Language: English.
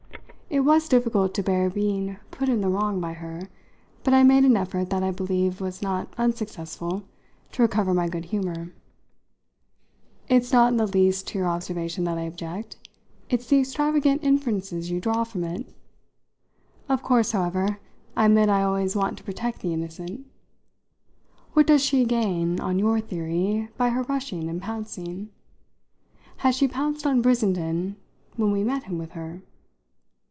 It was difficult to bear being put in the wrong by her, but I made an effort that I believe was not unsuccessful to recover my good humour. "It's not in the least to your observation that I object, it's to the extravagant inferences you draw from it. Of course, however, I admit I always want to protect the innocent. What does she gain, on your theory, by her rushing and pouncing? Had she pounced on Brissenden when we met him with her?